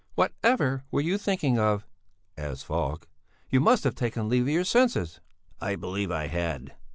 "Whatever were you thinking of?" asked Falk. "You must have taken leave of your senses!" "I believe I had!